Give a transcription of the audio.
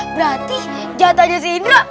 berarti jatahnya si indra